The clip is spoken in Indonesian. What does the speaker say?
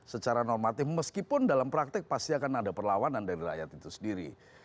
secara normatif meskipun dalam praktek pasti akan ada perlawanan dari rakyat itu sendiri